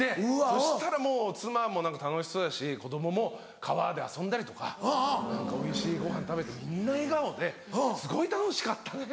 そしたら妻も何か楽しそうだし子供も川で遊んだりとかおいしいごはん食べてみんな笑顔ですごい楽しかったね！